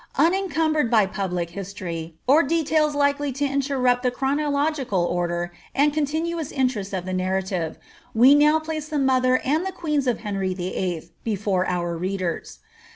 Unencumbered by public history, or details likely to interrupt the chronological order and continuous interest of the narrative, we now place the mother and the queens of Henry YIII. before our readers.